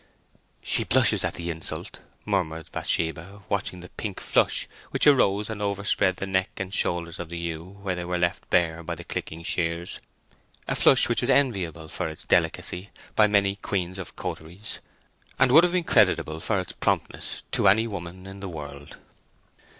"She blushes at the insult," murmured Bathsheba, watching the pink flush which arose and overspread the neck and shoulders of the ewe where they were left bare by the clicking shears—a flush which was enviable, for its delicacy, by many queens of coteries, and would have been creditable, for its promptness, to any woman in the world.